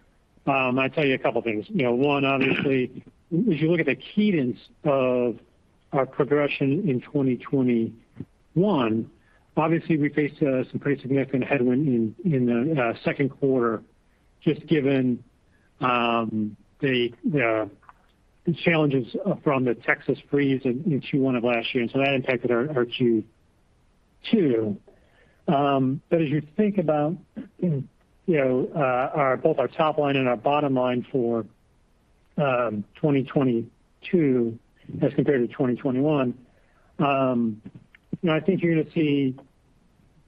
I'll tell you a couple things. You know, one, obviously, if you look at the cadence of our progression in 2021, obviously we faced some pretty significant headwind in the second quarter, just given the challenges from the Texas freeze in Q1 of last year, and so that impacted our Q2. As you think about, you know, both our top line and our bottom line for 2022 as compared to 2021, you know, I think you're gonna see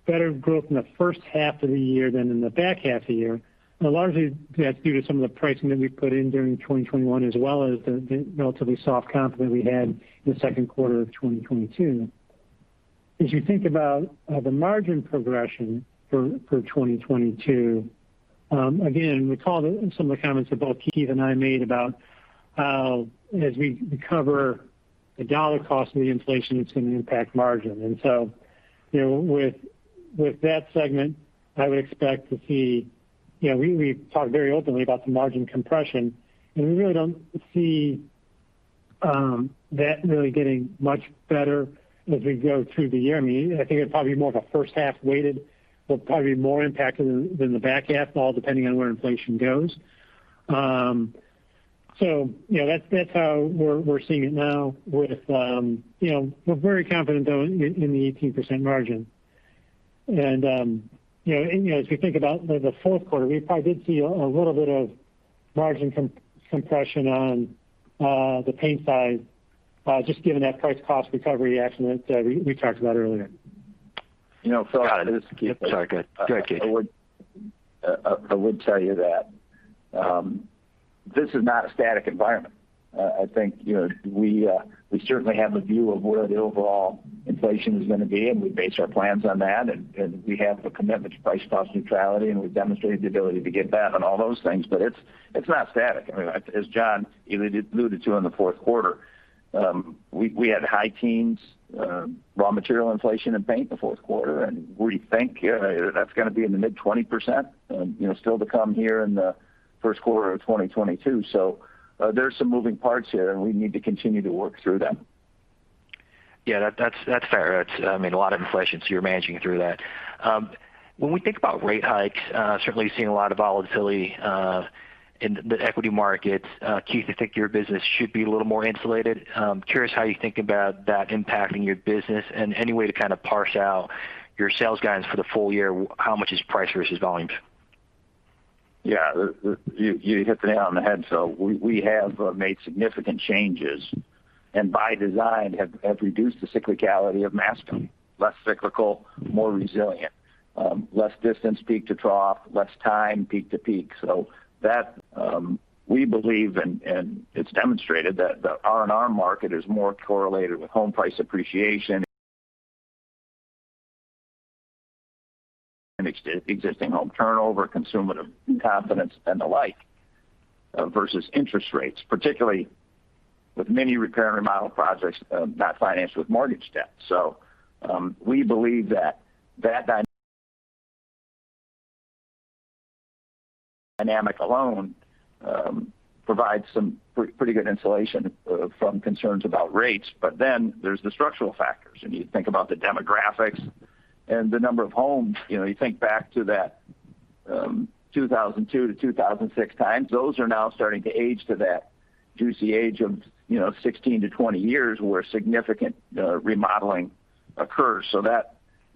better growth in the first half of the year than in the back half of the year. A lot of the- That's due to some of the pricing that we put in during 2021, as well as the relatively soft comp that we had in the second quarter of 2022. As you think about the margin progression for 2022, again, recall some of the comments that both Keith and I made about how as we recover the dollar cost of the inflation, it's gonna impact margin. You know, with that segment, I would expect to see. You know, we talked very openly about the margin compression, and we really don't see that really getting much better as we go through the year. I mean, I think it's probably more of a first half weighted will probably be more impacted than the back half, all depending on where inflation goes. So, you know, that's how we're seeing it now with you know. We're very confident though in the 18% margin. You know, as we think about the fourth quarter, we probably did see a little bit of margin compression on the paint side, just given that price cost recovery action that we talked about earlier. You know, Phil- Got it. This is Keith. Sorry, go ahead. Go ahead, Keith. I would tell you that this is not a static environment. I think, you know, we certainly have a view of where the overall inflation is gonna be, and we base our plans on that. We have a commitment to price cost neutrality, and we've demonstrated the ability to get that and all those things. It's not static. I mean, as John alluded to in the fourth quarter, we had high-teens% raw material inflation in paint in the fourth quarter. We think that's gonna be in the mid-20%, you know, still to come here in the first quarter of 2022. There's some moving parts here, and we need to continue to work through them. Yeah, that's fair. It's, I mean, a lot of inflation, so you're managing through that. When we think about rate hikes, certainly seeing a lot of volatility in the equity markets. Keith, I think your business should be a little more insulated. I'm curious how you think about that impacting your business, and any way to kind of parse out your sales guidance for the full year, how much is price versus volumes? Yeah. You hit the nail on the head, Phil. We have made significant changes, and by design have reduced the cyclicality of Masco. Less cyclical, more resilient. Less distance peak to trough, less time peak to peak. So that we believe, and it's demonstrated that the R&R market is more correlated with home price appreciation, existing home turnover, consumer confidence and the like, versus interest rates, particularly with many repair and remodel projects not financed with mortgage debt. So we believe that dynamic alone provides some pretty good insulation from concerns about rates. There's the structural factors, and you think about the demographics and the number of homes. You know, you think back to that, 2002,2006 times, those are now starting to age to that juicy age of, you know, 16-20 years, where significant remodeling occurs.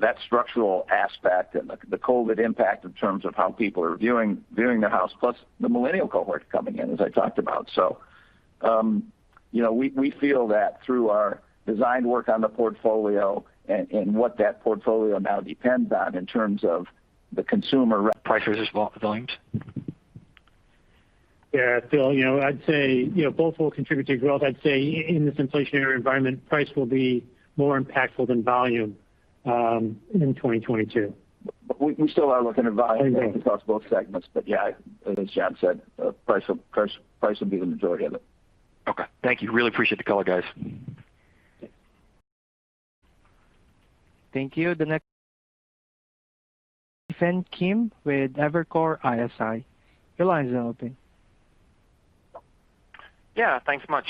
That structural aspect and the COVID impact in terms of how people are viewing the house, plus the millennial cohort coming in, as I talked about. You know, we feel that through our design work on the portfolio and what that portfolio now depends on in terms of the consumer re- Price versus volumes. Yeah, Phil, you know, I'd say, you know, both will contribute to growth. I'd say in this inflationary environment, price will be more impactful than volume in 2022. We still are looking at volume. I think. Across both segments. Yeah, as John said, price will be the majority of it. Okay. Thank you. Really appreciate the color, guys. Thank you. The next Stephen Kim with Evercore ISI. Your line is open. Yeah, thanks much.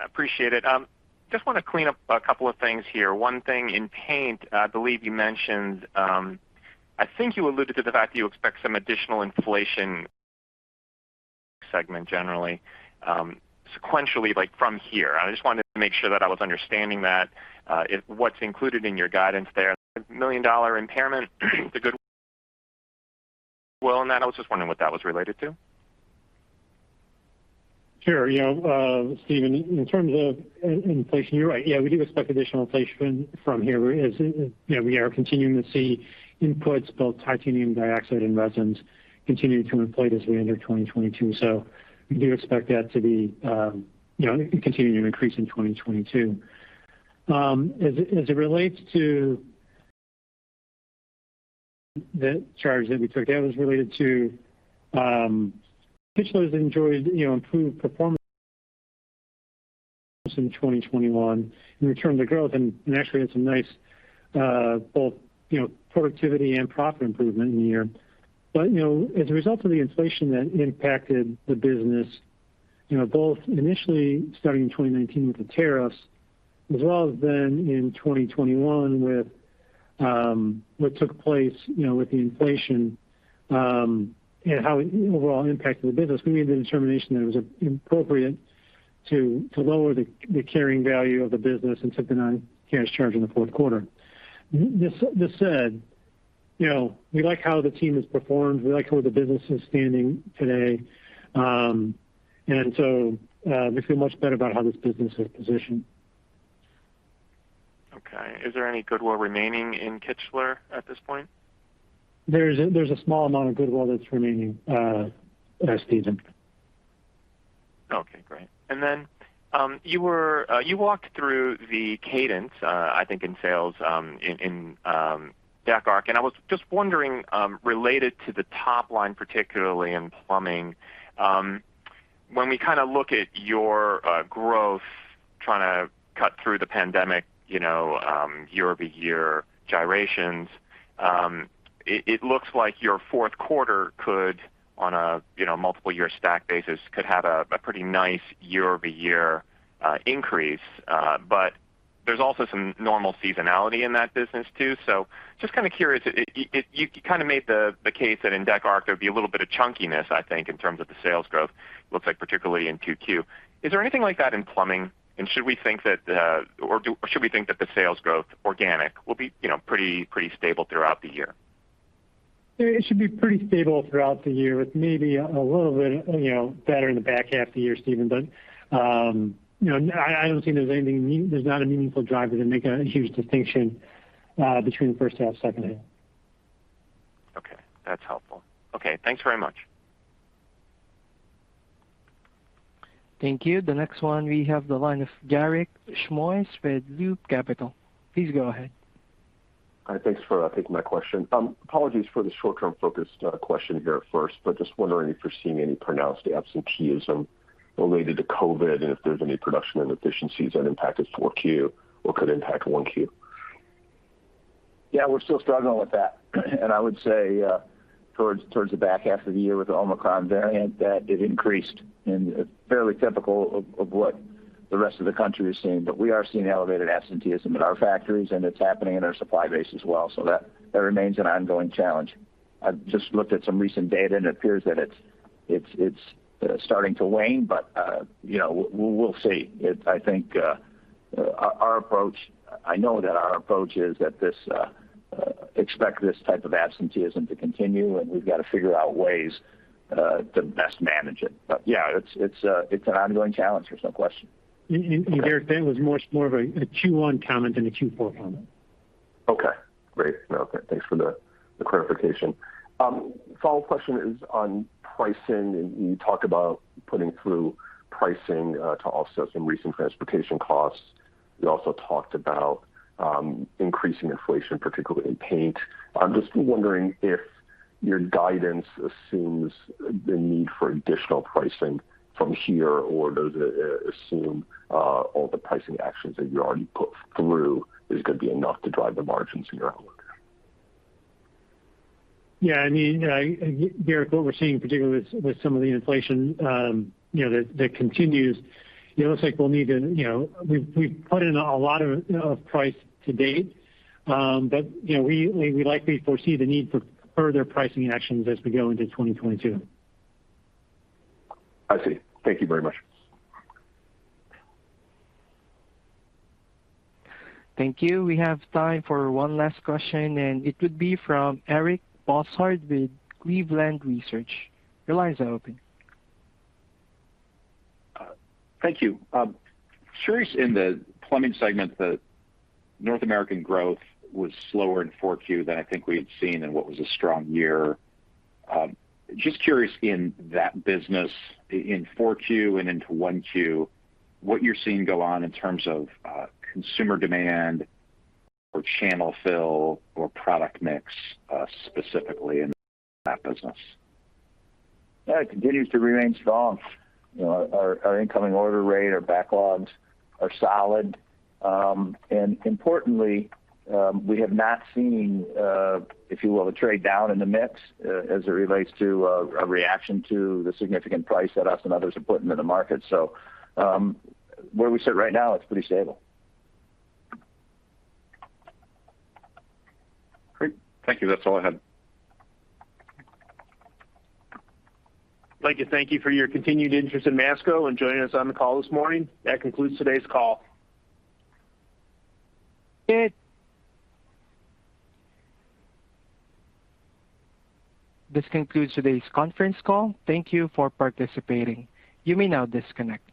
Appreciate it. Just wanna clean up a couple of things here. One thing in paint, I believe you mentioned. I think you alluded to the fact that you expect some additional inflation in the segment generally, sequentially, like from here. I just wanted to make sure that I was understanding that, if what's included in your guidance there, the $1 million impairment, the goodwill. I was just wondering what that was related to. Sure. You know, Stephen, in terms of inflation, you're right. Yeah, we do expect additional inflation from here as, you know, we are continuing to see inputs, both titanium dioxide and resins continuing to inflate as we enter 2022. We do expect that to continue to increase in 2022. As it relates to the charge that we took, that was related to Kichler has enjoyed improved performance in 2021 and a return to growth and naturally had some nice both productivity and profit improvement in the year. You know, as a result of the inflation that impacted the business, you know, both initially starting in 2019 with the tariffs as well as then in 2021 with what took place, you know, with the inflation and how it overall impacted the business. We made the determination that it was appropriate to lower the carrying value of the business and took the non-cash charge in the fourth quarter. That said, you know, we like how the team has performed. We like how the business is standing today. We feel much better about how this business is positioned. Okay. Is there any goodwill remaining in Kichler at this point? There's a small amount of goodwill that's remaining, Stephen. Okay, great. Then you walked through the cadence, I think in sales, in DAP, and I was just wondering related to the top line, particularly in Plumbing, when we kinda look at your growth, trying to cut through the pandemic, you know, year-over-year gyrations. It looks like your fourth quarter could on a, you know, multiple year stack basis could have a pretty nice year-over-year increase. There's also some normal seasonality in that business too. Just kinda curious, you kinda made the case that in DAP there'd be a little bit of chunkiness, I think, in terms of the sales growth. Looks like particularly in 2Q. Is there anything like that in Plumbing? Should we think that the sales growth organic will be, you know, pretty stable throughout the year? It should be pretty stable throughout the year with maybe a little bit, you know, better in the back half of the year, Stephen. You know, I don't think there's not a meaningful driver to make a huge distinction between the first half, second half. Okay, that's helpful. Okay, thanks very much. Thank you. The next one, we have the line of Garik Shmois with Loop Capital. Please go ahead. Hi. Thanks for taking my question. Apologies for the short-term focused question here first, but just wondering if you're seeing any pronounced absenteeism related to COVID and if there's any production inefficiencies that impacted 4Q or could impact 1Q. Yeah, we're still struggling with that. I would say, towards the back half of the year with the Omicron variant that it increased and fairly typical of what the rest of the country is seeing. We are seeing elevated absenteeism at our factories, and it's happening in our supply base as well, so that remains an ongoing challenge. I've just looked at some recent data, and it appears that it's starting to wane, but you know, we'll see. I know that our approach is that we expect this type of absenteeism to continue, and we've got to figure out ways to best manage it. Yeah, it's an ongoing challenge. There's no question. Garik, that was more of a Q1 comment than a Q4 comment. Okay, great. Okay, thanks for the clarification. Follow-up question is on pricing. You talked about putting through pricing to offset some recent transportation costs. You also talked about increasing inflation, particularly in paint. I'm just wondering if your guidance assumes the need for additional pricing from here or does it assume all the pricing actions that you already put through is gonna be enough to drive the margins in your outlook? Yeah, I mean, Garik, what we're seeing, particularly with some of the inflation, you know, that continues. It looks like we'll need. You know, we've put in a lot of pricing to date, but you know, we likely foresee the need for further pricing actions as we go into 2022. I see. Thank you very much. Thank you. We have time for one last question, and it would be from Eric Bosshard with Cleveland Research. Your line is open. Thank you. Curious in the Plumbing segment that North American growth was slower in 4Q than I think we had seen in what was a strong year. Just curious in that business in 4Q and into 1Q, what you're seeing go on in terms of consumer demand or channel fill or product mix, specifically in that business. Yeah, it continues to remain strong. You know, our incoming order rate, our backlogs are solid. Importantly, we have not seen, if you will, a trade down in the mix as it relates to a reaction to the significant price that we and others are putting in the market. Where we sit right now, it's pretty stable. Great. Thank you. That's all I had. I'd like to thank you for your continued interest in Masco and joining us on the call this morning. That concludes today's call. This concludes today's conference call. Thank you for participating. You may now disconnect.